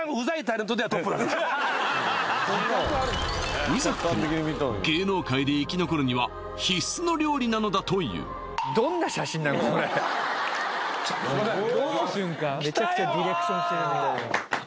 はいウザくても芸能界で生き残るには必須の料理なのだという・ありますね